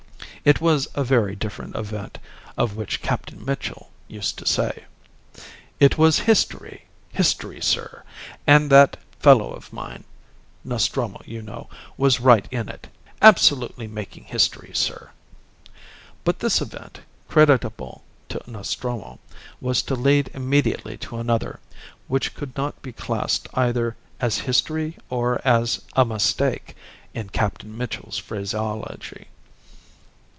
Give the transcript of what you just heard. It was a very different event, of which Captain Mitchell used to say "It was history history, sir! And that fellow of mine, Nostromo, you know, was right in it. Absolutely making history, sir." But this event, creditable to Nostromo, was to lead immediately to another, which could not be classed either as "history" or as "a mistake" in Captain Mitchell's phraseology.